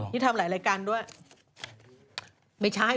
พี่ปุ้ยลูกโตแล้ว